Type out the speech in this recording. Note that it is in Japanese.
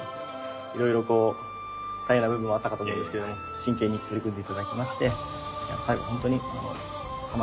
いろいろと大変な部分もあったかと思うんですけれども真剣に取り組んで頂きまして最後本当に様になっていたと思います。